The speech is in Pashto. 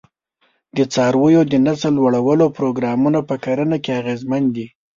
د څارویو د نسل لوړولو پروګرامونه په کرنه کې اغېزمن دي.